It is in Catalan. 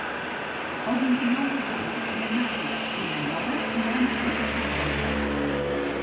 El vint-i-nou de febrer na Nàdia i na Nora iran a Quatretondeta.